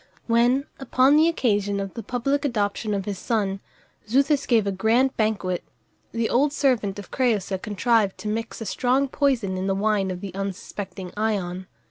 When, upon the occasion of the public adoption of his son, Xuthus gave a grand banquet, the old servant of Crëusa contrived to mix a strong poison in the wine of the unsuspecting Ion.